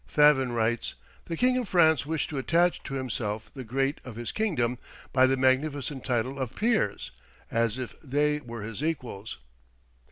Favin writes: "The King of France wished to attach to himself the great of his kingdom, by the magnificent title of peers, as if they were his equals."